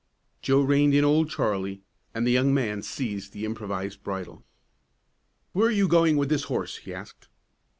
Joe reined in Old Charlie, and the young man seized the improvised bridle. "Where are you going with this horse?" he asked.